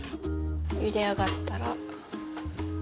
ゆで上がったら。